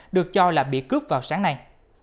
được cho là bị cướp vào sáng nay